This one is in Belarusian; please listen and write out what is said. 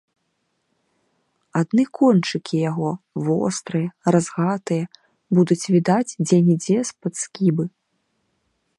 Адны кончыкі яго, вострыя, разгатыя, будуць відаць дзе-нідзе з-пад скібы.